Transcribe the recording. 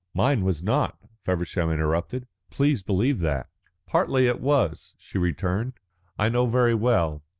"Mine was not," Feversham interrupted. "Please believe that." "Partly it was," she returned, "I know very well.